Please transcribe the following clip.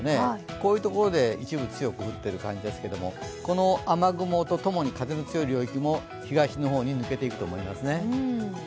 こういうところで一部、強く降っている感じですけれどもこの雨雲とともに風の強い領域も東の方へ抜けていくと思いますね。